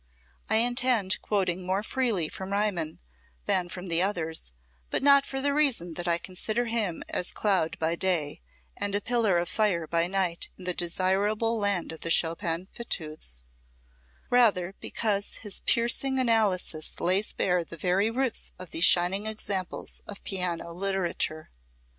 I intend quoting more freely from Riemann than from the others, but not for the reason that I consider him as a cloud by day and a pillar of fire by night in the desirable land of the Chopin fitudes, rather because his piercing analysis lays bare the very roots of these shining examples of piano literature.